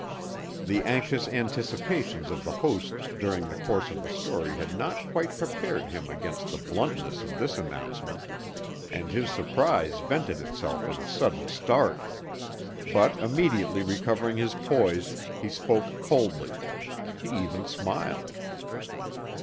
The anxious anticipations of the host during the course of the story had not quite prepared him against the bluntness of this announcement, and his surprise vented itself in a sudden start. But immediately recovering his poise, he spoke coldly. He even smiled.